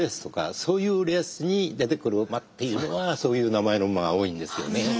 そういうレースに出てくる馬っていうのがそういう名前の馬が多いんですよね。